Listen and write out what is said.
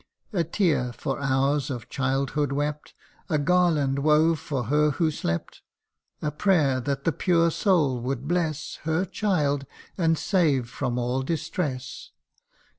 A tear, for hours of childhood wept ; A garland, wove for her who slept ; A prayer, that the pure soul would bless Her child, and save from all distress ; CANTO I.